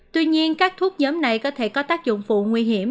tuy nhiên các thuốc giống này có thể có tác dụng phụ nguy hiểm